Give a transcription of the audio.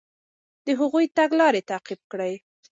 د هغوی تګلارې تعقیب کړئ.